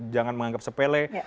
jangan menganggap sepele